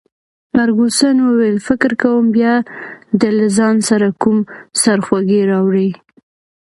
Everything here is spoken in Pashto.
فرګوسن وویل: فکر کوم بیا دي له ځان سره کوم سرخوږی راوړی.